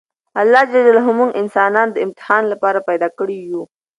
الله ج موږ انسانان د امتحان لپاره پیدا کړي یوو!